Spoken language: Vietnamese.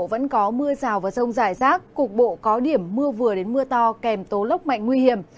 vẫn có mưa rào và rông rải rác cục bộ có điểm mưa vừa đến mưa to kèm tố lốc mạnh nguy hiểm